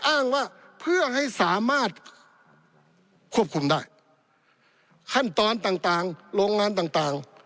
อ้างว่าเพื่อให้สามารถควบคุมได้ขั้นตอนต่างต่างโรงงานต่างต่าง